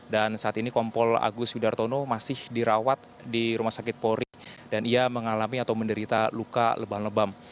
dan saat ini kompol agus widartono masih dirawat di rumah sakit polri dan ia mengalami atau menderita luka lebam lebam